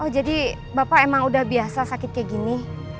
jadi bapak memang sudah biasa sakit kayak gini